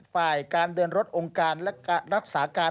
ฝ่ายการเดินรถองค์การและรักษาการ